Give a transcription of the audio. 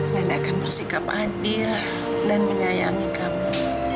akan bersikap adil dan menyayangi kamu